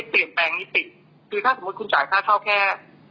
เท่ากับราคาคอนโดหลายหมื่น